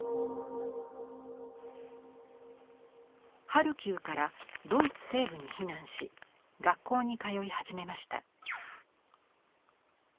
ハルキウからドイツ西部に避難し学校に通い始めました。